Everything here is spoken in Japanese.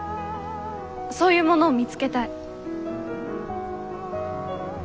そういうものを見つけたい。